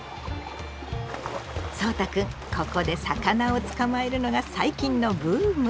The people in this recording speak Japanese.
そうたくんここで魚を捕まえるのが最近のブーム。